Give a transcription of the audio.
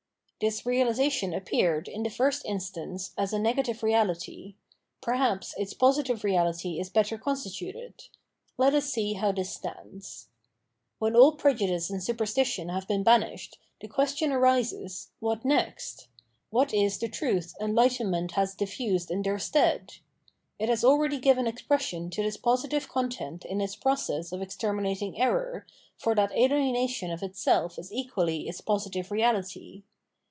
This reahsation appeared, in the first instance, as a negative reahty. Perhaps its positive reality is better constituted. Let us see how this stands. When all prejudice and superstition have been banished, the question arises what next ? What is the truth enlightenment has diifused in their stead ? It has already given expression to this positive content in its process of exterminating error, for that alienation of itself is equally its positive reality.